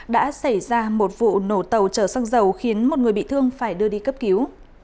đã xảy ra một vụ nổ tàu chở xăng dầu khiến một người bị thương phải đưa đi cấp cứu